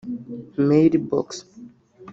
mailbox